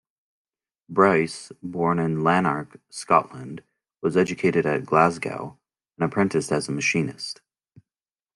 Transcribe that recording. Bryce, born in Lanark, Scotland, was educated at Glasgow, and apprenticed as a machinist.